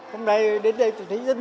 hôm nay đến đây tôi thấy rất hạnh phúc